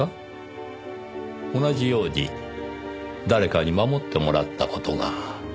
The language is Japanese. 同じように誰かに守ってもらった事が。